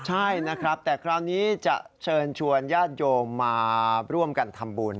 ใช่นะครับแต่คราวนี้จะเชิญชวนญาติโยมมาร่วมกันทำบุญ